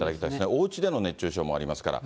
おうちでの熱中症もありますから。